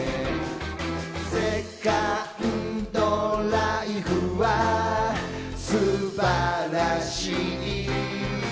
「セカンドライフは素晴らしい」